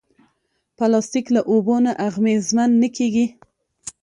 پلاستيک له اوبو نه اغېزمن نه کېږي.